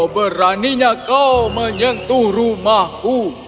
beraninya kau menyentuh rumahku